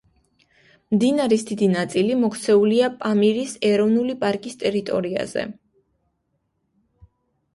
მდინარის დიდი ნაწილი მოქცეულია პამირის ეროვნული პარკის ტერიტორიაზე.